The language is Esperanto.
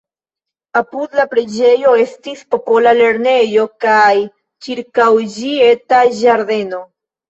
Apud la preĝejo estis popola lernejo kaj ĉirkaŭ ĝi eta ĝardeno.